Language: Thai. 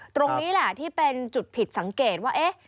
ตรงนี้แหละที่เป็นจุดผิดสังเกตว่าเอ๊ะ